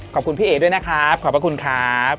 ขอบคุณพี่เอ๋ด้วยนะครับขอบพระคุณครับ